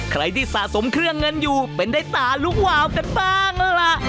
ใครที่สะสมเครื่องเงินอยู่เป็นได้ตาลุกวาวกันบ้างล่ะ